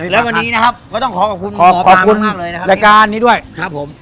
แล้ววันนี้นะครับก็ต้องขอบคุณขอบคุณขอบคุณรายการนี้ด้วยครับผม